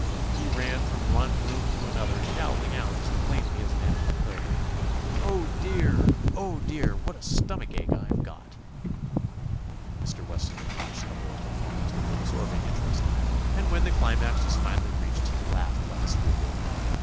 He ran from one room to an other yowling out as plainly as an animal could, "Oh, dear I Oh, dear! What a stomach ache I 've got I" Mr. Weston had watched the whole performance with absorbing interest, and when the climax was finally reached he laughed like a schoolboy.